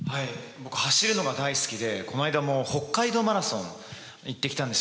僕走るのが大好きでこの間も北海道マラソン行ってきたんですよ。